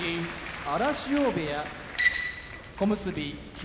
荒汐部屋小結・霧